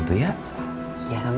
nunggu aja kan